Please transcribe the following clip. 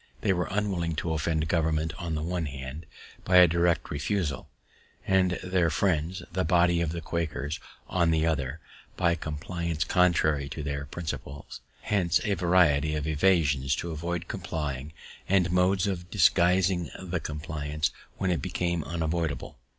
They were unwilling to offend government, on the one hand, by a direct refusal; and their friends, the body of the Quakers, on the other, by compliance contrary to their principles; hence a variety of evasions to avoid complying, and modes of disguising the compliance when it became unavoidable.